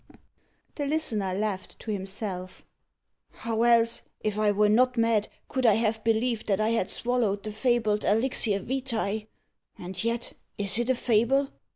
The listener laughed to himself. "How else, if I were not mad, could I have believed that I had swallowed the fabled elixir vitæ? And yet, is it a fable?